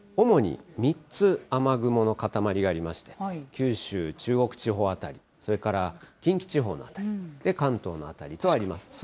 主に３つ、雨雲の固まりがありまして、九州、中国地方当たり、それから近畿地方の辺り、関東の辺りとあります。